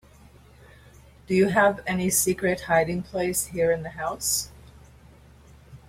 Do you have any secret hiding place here in the house?